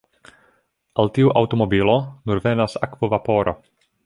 El tiu aŭtomobilo nur venas akvo-vaporo.